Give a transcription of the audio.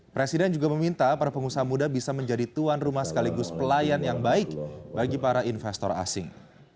presiden juga meminta para pengusaha muda bisa menjadi tuan rumah sekaligus pelayan yang baik bagi para investor asing